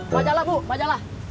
majalah bu majalah